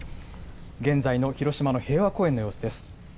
現在の広島の平和公園の様子です。